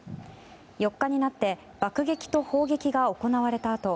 ４日になって爆撃と砲撃が行われたあと